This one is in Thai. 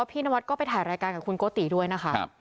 พี่นวัดก็ไปถ่ายรายการกับคุณโกติด้วยนะคะ